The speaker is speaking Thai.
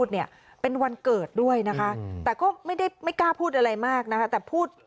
นี่เค้าบอกว่าแม่